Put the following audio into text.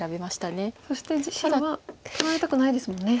そして白は取られたくないですもんね。